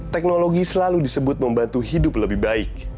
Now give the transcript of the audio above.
teknologi selalu disebut membantu hidup lebih baik